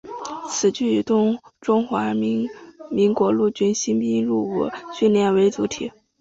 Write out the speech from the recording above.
此剧以中华民国陆军新兵入伍训练作为主题。